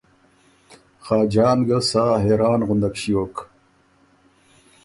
خاجان ګه سا حېران غُندک ݭیوک